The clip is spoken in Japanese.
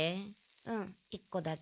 うん１個だけ。